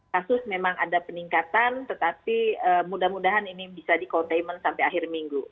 kasus memang ada peningkatan tetapi mudah mudahan ini bisa di containment sampai akhir minggu